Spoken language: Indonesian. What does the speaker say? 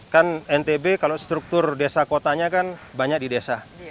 kan ntb kalau struktur desa kotanya kan banyak di desa